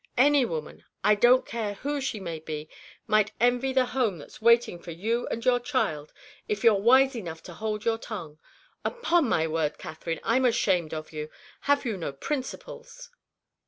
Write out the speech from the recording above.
Any woman I don't care who she may be might envy the home that's waiting for you and your child, if you're wise enough to hold your tongue. Upon my word, Catherine, I am ashamed of you. Have you no principles?"